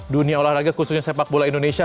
dunia olahraga khususnya sepak bola indonesia